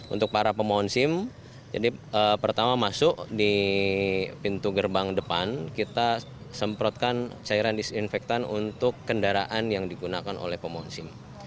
untuk para pemonsim jadi pertama masuk di pintu gerbang depan kita semprotkan cairan disinfektan untuk kendaraan yang digunakan oleh pemonsim